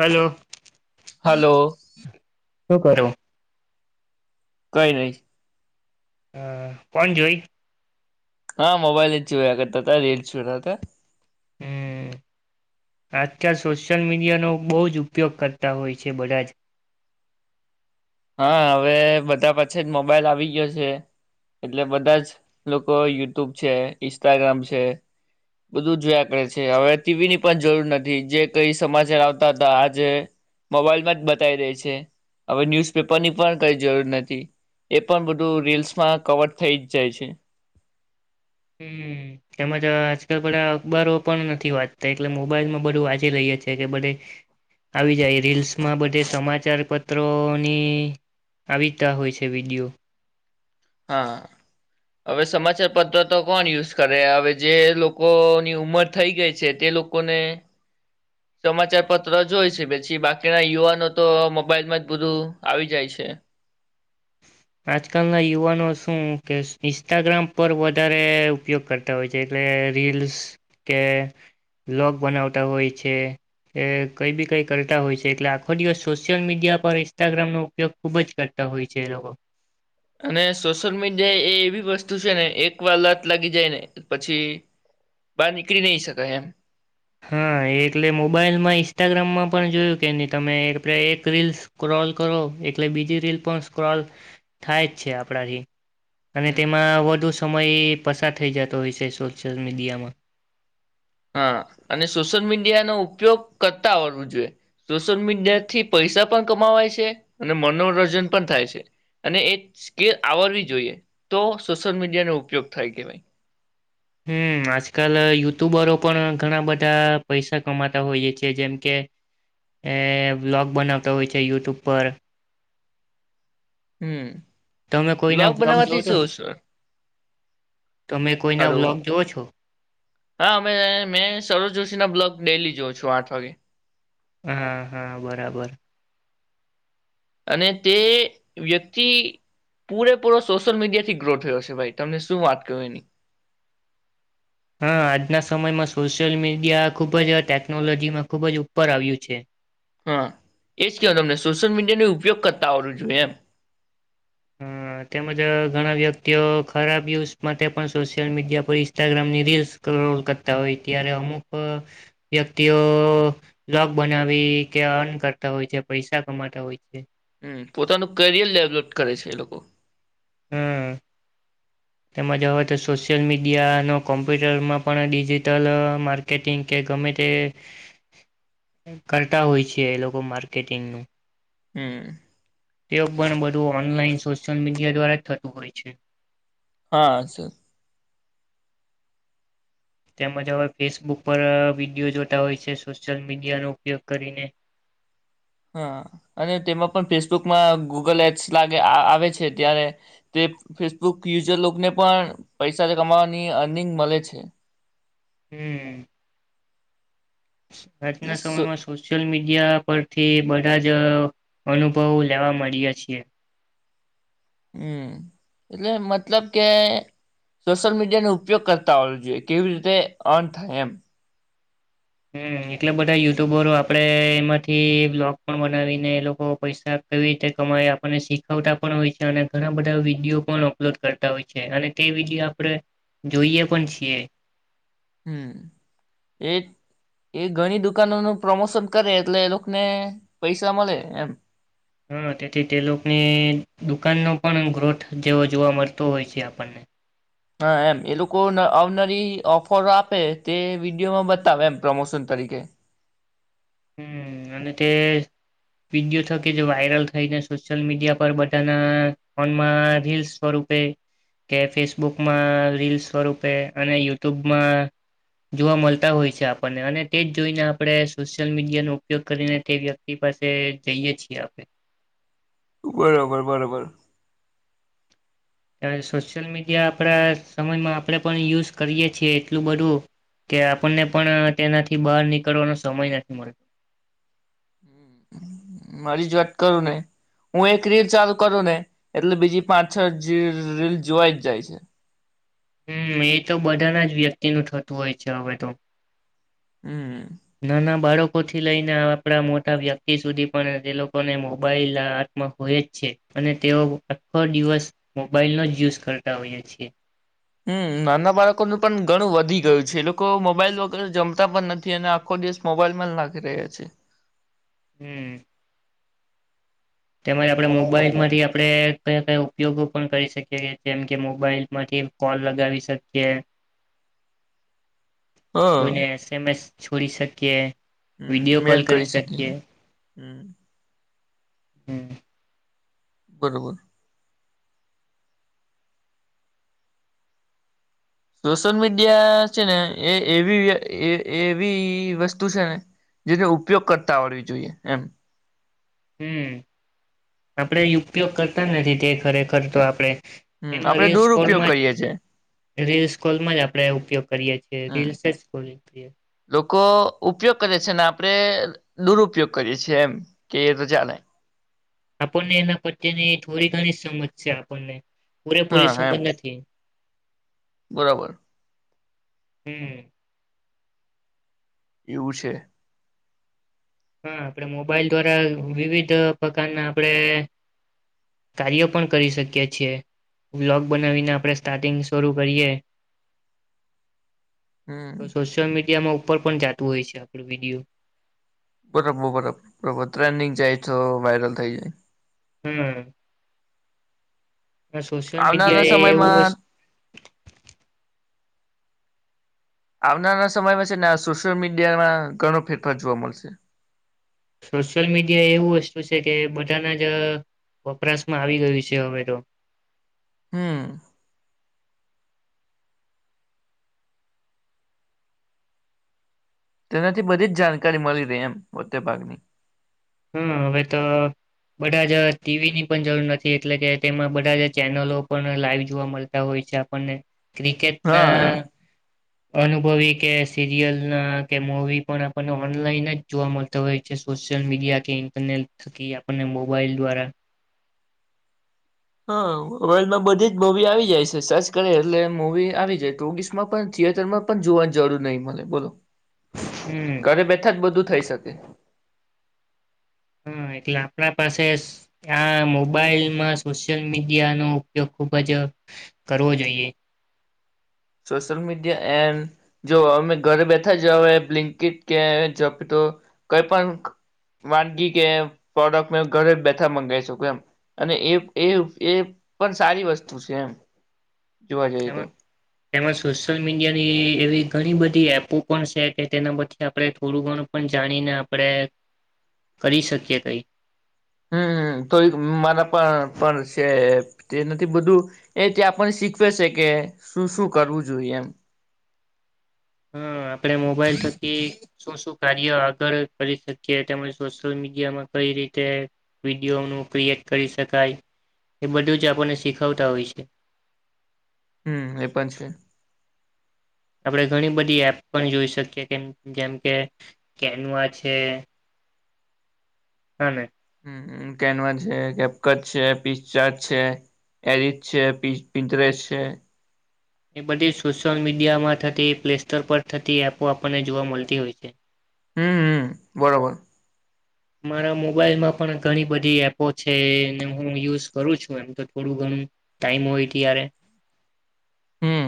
Hello! Hello! શું કરું? કઈ નહી. હ કોણ જોઈ હા, મોબાઈલ જ હો આત હતા રેટ શ હતા. હમ આજકાલ સોશિયલ મીડિયાનો બહુ જ ઉપયોગ કરતા હોય છે. બધા જ હા, હવે બધા પાછ જ મોબાઈલ આવી ગયો છે એટલે બધા જ લોકો યુટ્યુબ છે ઈન્સ્ટાગ્રામ છે બધું જોયા કરે છે. હવે ટીવીની પણ જરૂર નથી જે કઈ સમાચાર આવતા હતા. આજે મોબાઈલમાં જ બતાવી રહી છે હવે ન્યૂઝ પેપર ની પણ કઈ જરૂર નથી એ પણ બધું રીલ્સમાં કવર થઈ જ જાય છે. હમ તેમજ આજકાલ બધા અખબારો પણ નથી વાંચતા એટલે મોબાઈલમાં બધું વાંચી રહીએ છે કે બધે આવી જાય રીલ્સમાં બધે સમાચાર પત્ર મિત્રોની આવીતા હોય છે વિડીયો હા, હવે સમાચાર પત્ર તો કોણ યુઝ કરે હવે જે લોકોની ઉંમર થઈ ગઈ છે તે લોકોને સમાચાર પત્ર જોય છે. પછી બાકીના યુવાનો તો મોબાઈલમાં જ બધું આવી જાય છે. આજકાલના યુવાનો શું કે ઇન્સ્ટાગ્રામ પર વધારે ઉપયોગ કરતા હોય છે, એટલે રીલ્સ કે બલોગ બનાવતા હોય છે કે કઈ બી કઈ કરતા હોય છે એટલે આખો દિવસ સોશિયલ મીડિયા પર ઇન્સ્ટાગ્રામનો ઉપયોગ ખુબ જ કરતા હોય છે. એ લોકો અને સોશિયલ મીડિયા એ એવી વસ્તુ છે ને એક વાર લત લાગી જાય ને પછી બહાર નીકળી નહી શકાય એમ હા એટલે મોબાઈલમાં ઈન્સ્ટાગ્રામમાં પણ જોયું કે નહી તમે એક રીલ સ્ક્રોલ કરો એટલે બીજી રીલ પણ સ્ક્રોલ થાય જ છે આપણાથી અને હમ તેમાં વધુ સમય પસાર થઈ જતો હોય છે સોશિયલ મીડિયામાં હા અને સોશિયલ મીડિયાનોો ઉપયોગ કરતા આવરવો જોઈએ સોશિલ મીડિયાથી પૈસા પણ કમાવાય છે અને મનોરંજન પણ થાય છે અને એ સ્કેલ આવરવી જોઈએ તો સોશિલ મીડિયાનોો ઉપયોગ થાય કવાય. હમ આજકાલ યુટ્યુબરો પણ ઘણા બધા પૈસા કમાતા હોઈએ છેએ જેમ કે અ બ્લોગ બનાવતા હોય છે યુટ્યુબ પર હમ. તમે કોઈના બ્લોગ વ્લોગ જોવ બનાવાથી છો જો સર તમે કોઈના હલો બ્લોગ જોઓ છો હા અમે મેં સરોજ જોશીના બ્લોક ડેલી જોઉં છું આઠ વાગે હા હા બરાબર. અને તે વ્યક્તિ પૂરેપૂરો સોશિયલ મીડિયા થી ગ્રો થયો છે ભાઈ તમને શું વાત ક એની હા આજના સમયમાં સોશિયલ મીડિયા ખુબ જ ટેકનોલોજીમાં ખુબ જ ઉપર આવ્યું છે હા એજ કહેવાય તમને સોશિયલ મીડિયાનો ઉપયોગ કરતા હોળું જોઈએ એમ હ તેમજ ઘણા વ્યક્તિઓ ખરાબ યુઝ માટે પણ સોશિયલ મીડિયા પર ઇન્સ્ટાગ્રામની રીલસલ કરતા હોય ત્યારે અમુક વ્યક્તિઓ બ્લોગ બનાવી કે અન કરતા હોય છે પૈસા કમાતા હોય છે. હમ. પોતાનું કરિયર ડેવલોપ કરે છે એ લોકો. હમ તેમજ હવે તો સોશિયલ મીડિયાનો કોમ્પ્યુટરમાં પણ ડિજિટલ માર્કેટિંગ કે ગમે તે કરતા હોય છે એ લોકો માર્કેટિંગનું હમ તે પણ બધું ઓનલાઈન સોશિયલ મીડિયા દ્વારા જ થતું હોય છે હા સર. તેમજ હવે ફેસબુક પર વિડીિયો જોતા હોય છે સોશિયલ મીડિયાનો ઉપયોગ કરીને હા અને તેમાં પણ ફેસબુકમાં ગૂગલ એપ્સ લાગે આવે છે ત્યારે તે ફેસબુક યુઝરને પણ પૈસા કમાવાની અર્નિંગ મળે છે. હમ. આજના એટલે સો સમયમાં સોશિયલ મીડિયા પરથી બધા જ અ અનુભવો લેવા મંડ્યા છે. હમ, એટલે મતલબ કે સોશિયલ મીડિયા નો ઉપયોગ કરતા હોવો જોઈએ કેવી રીતે ઓન થાય એમ હમ, એટલા બધા યુટ્યુબરો આપણે એમાંથી બ્લોગ પણ બનાવીને એ લોકો પૈસા કેવી રીતે કમાય આપણને શીખવતા પણ હોય છે અને ઘણા બધા વિડીયો પણ અપલોડ કરતા હોય છે અને તે વિડીયો આપણે જોઈએ પણ છીએ હમ, એ, એ ઘણી દુકાનોનું પ્રમોશન કરે એટલે એ લોકોને પૈસા મળે એમ હા, તેથી તે લોકોની દુકાનનો પણ ગ્રોથ જેવો જોવા મળતો હોય છે આપણને હા, એમ એ લોકો આવનારી ઓફરો આપે તે વિડીયોમાં બતાવે એમ પ્રમોશન તરીકે હમ, અને તે વિડીયો થકી જે વાયરલ થઈને સોશિયલ મીડિયા પર બધાના ફોનમાં રીલસ સ્વરૂપે કે ફેસબુકમાં રીલ સ્વરૂપે અને યુટ્યુબમાં જોવા મલતા હોય છે આપણને અને તે જ જોઈને આપણે સોશિયલ મીડિયા નો ઉપયોગ કરીને તે વ્યક્તિ પાસે જઈએ છીએ આપણે બરોબર, બરોબર સોશિયલ મીડિયા આપણા સમયમાં આપણે પણ યુઝ કરીએ છીએ એટલું બધું કે આપણને પણ તેનાથી બહાર નીકળવાનો સમય નથી મળતો મારી જ વાત કરું ને હું એક રીલ ચાલુ કરું ને એટલે બીજી પાંછ, છ, રીલ જોવાઈ જ જાય છે હમ, એ તો બધાના જ વ્યક્તિનું થતું હોય છે હવે તો હમ નાના બાળકો લોકોથી લઈને આપણા મોટા વ્યક્તિ સુધી પણ તે લોકોને મોબાઈલ હાથમાં હોય જ છે અને તેઓ આખો દિવસ મોબાઈલનો જ યુઝ કરતા હોઈએ છીએ હમ, નાના બાળકોનું પણ ઘણું વધી ગયું છે એ લોકો મોબાઈલ વગર જમતા પણ નથી અને આખો દિવસ મોબાઈલ માં જ નાખી રહ્યા છે હમ તેમજ આપણે મોબાઈલ માંથી આપણે કયા કયા ઉપયોગો પણ કરી શકીએ જેમ કે મોબાઈલ માંથી ફોન લગાવી શકીએ હા કોઈને એસ, એમ, એસ છોડી શકીએ વિડિયો કોલ કરી શકીએ હમ હમ બરોબર સોશિયલ મીડિયા છે ને એ એવી એવી વસ્તુ છે ને જેનો ઉપયોગ કરતા આવડવી જોઈએ એમ. હમ આપડે ઉપયોગ કરતા નથી તે ખરેખર તો આપડે. હમ આપડે દુરપયોગ કરીએ છે. રીલ સ્ક્રોલમાં જ આપડે ઉપયોગ કરીએ છીએ હમ રીલ સ્ક્રોલ. લોકો ઉપયોગ કરે છે અનેને આપણે દુરુપયોગ કરીએ છીએ એમ કે રજા ન આપણને એના પ્ચેની થોડી ઘણી સમજ છે, આપણને પૂરેપૂરી હા એમ સંપત નથી. બરાબર હમ એવું છે હા આપણે મોબાઈલ દ્વારા વિવિધ પ્રકારના આપણેે કાર્યો પણ કરી શકીએ. છીએ બ્લોગ બનાવીને આપણે સ્ટાર્ટિંગ શરૂ કરીએ. હમ તો સોશિયલ મીડિયામાં ઉપર પણ જતું હોય છે આપણું વિડીયો. બરાબર બરોબર બરોબર ટ્રેન્ડંગ જાય તો વાયરલ થઇ જાય. હમ સોશિયલ આવનારા મીડિયા એ એવું, સમયમાં આવનારા સમયમાં છે, ને સોશિયલ મીડિયામાં ઘણો ફેરફાર જોવા મળશે. સોશિયલ મીડિયા એવું વસ્તુ છે કે બધાના જ વપરાશમાં આવી ગયું છે. હવે, તો હમ તેનાથી બધી જ જાણકારી મળી રહે, એમ મોટે ભાગની હમ હવે તો બધા જ ટીવીની પણ જરૂર નથી એટલે કે તેમાં બધા જ ચેનલો પણ લાઈવ જોવા મળતા હોય છે, આપણને ક્રિકેટ હા ના એમ અનુભવી કે સિરિયલ ના કે મવી પણ આપણને ઓનલાઈન જ જોવા મળતો હોય છે, સોશિયલ મીડિયા કે ઇન્ટરનેટ થકી આપણને મોબાઈલ દ્વારા હા વર્લ્ડમાં બધી જ મુવી આવી જાય છે સરર્ચ કરે એટલે મવી આવી જાય ટોગીસમાં પણ થિયેટરમાં પણ જોવાની જરૂર નહી મળે બોલો, હમ ઘરે બેઠા જ બધું થઈ શકે હા એટલે આપણા પાસે આ મોબાઈલમાં સોશિયલ મીડિયાનો ઉપયોગ ખુબ જ કરવો જોઈએ. સોશિયલ મીડિયા એ જો અમે ઘરે બેઠા જ બ્લિટ કે તો કઈ પણ વાનગી કે પ્રોડક્ટ ઘરે બેઠા મંગાવી શકું એમ અને એ એ પણ સારી વસ્તુ છે એમ જોવા જઈએ તો. તેમાં તેમાં સોશિયલ મીડિયાની એવી ઘણી બધી એપો પણ છે કે તેના પથી આપણે થોડું ઘણું પણ જાણીને આપણે કરી શકીએ કઈ. હમ હમ તો મારા પણ પણ છે તે નથી બધું એ ત આપણને શીખવે છે કે શું શું કરવું જોઈએ એમ? હમ આપણે મોબાઈલ થકી શું શું કાર્ય આગળ કરી શકીએ તેમજ સોશિયલ મીડિયામાં કઈ રીતે વિડીયોનું ક્રિએટ કરી શકાય એ બધું જ આપણને શીખવતા હોય છે. હમ એ પણ છે. આપણે ઘણી બધી એપ પણ જોઈ શકીએ કે જેમ કે કેનવા છે. હા. હ કેનવા છે કેપક છે પીસ ચાર છે એરસ છે પીસ પિંત્રીસ છે. એ બધી સોશલ મીડિયામાં થતી પ્લે સોર પર થતી એપો આપણને જોવા મળતી હોય છે. હમ હમ બરોબર. મારા મોબાઈલમાં પણ ઘણી બધી એપો છે હું યુઝ કરું છું એમ તો થોડું ઘણું ટાઈમ હોય ત્યારે. હમ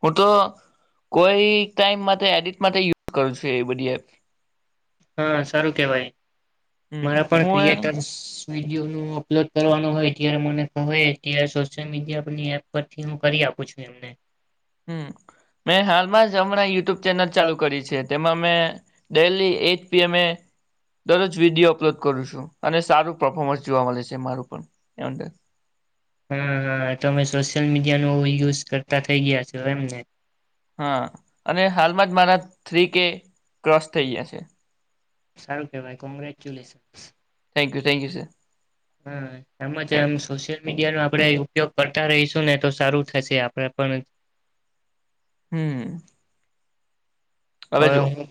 હું તો કોઈ ટાઈમ માટે એડિટ માટે યુઝ કરું છું એ બધી એપ. હા સારું કેવાય હમ મારા પણ હું એ ક્રિએટર વિડીયો ન અપલોડ કરવાનું હોય ત્યારે મને ક ત સોશિયલ મીડિયાની એપ પરથી હું કરી આપું છું એમને. હમ, મેં હાલમાં જ હમણાં યુટ્યુબ ચેનલ ચાલુ કરી છે તેમાં મેં ડેલી એઈટ પીએમ એ દરરોજ વિડીયો અપલોડ કરું છું અને સારું પફોર્મન્સ જોવા મળે છે મારું પણ હા હા તોમે સોશિયલ મીડિયાનો યુઝ કરતા થઇ ગયા છો એમને? હા અને હાલમાં જ મારા થ્રી કે ક્રોસ થઈ ગયા છે. સારું કે ભાઈ congratulations. Thank you, thank you sir. હા એમ જ આમ સોશિયલ મીડિયાનો આપણે ઉપયોગ કરતા રહીશું ને તો સારું થશે આપણે પણ હમ. હવે હું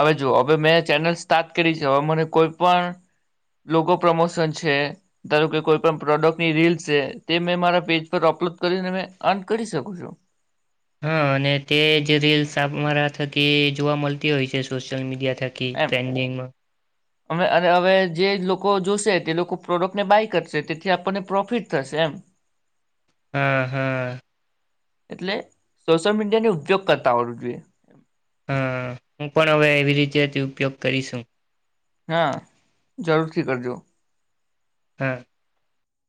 હવે જુઓ હવે મેં ચેનલ સ્ટાર્ટ કરી છે હવે મને કોઈ પણ લોગો પ્રમોશન છે ધારો કે કોઈ પણ પ્રોડક્ટની રીલ છે તે મેં મારા પેજ પર અપલોડ કરીને અર્ન કરી શકું છું. હા અને તે જે રીલ્સ સાંભળવા થકી જોવા મળતી હોય છે સોશિયલ મીડિયા થકી ટ્રેન્ડિંગમાં અ અ હવે જે લોકો જોશે તે લોકો પ્રોડક્ટને બાય કરશે તેથી આપણને પ્રોફિટ થશે એમ. હમ હમ. એટલે સોશિયલ મીડિયાને ઉપયોગ કરતા આવડવું જોઈએ. હા હું પણ હવે એવી રીતે જ ઉપયોગ કરીશું. હા જરૂરથી કરજો. હમ.